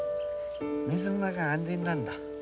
水の中が安全なんだ。